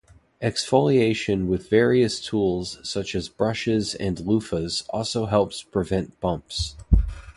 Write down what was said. Exfoliation with various tools such as brushes and loofahs also helps prevent bumps.